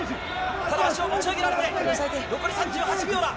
ただ、足を持ち上げられて、残り３８秒だ。